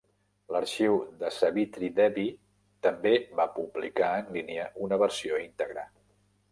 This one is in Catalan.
L'arxiu de Savitri Devi també va publicar en línia una versió íntegra.